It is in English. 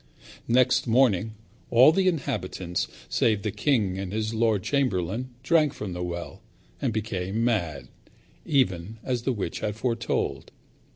Next morning all the inhabitants, save the king and his lord chamberlain, drank from the well and became mad, even as the witch had foretold.